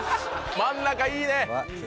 真ん中いいね！